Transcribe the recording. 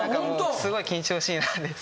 すごい緊張しいなんです。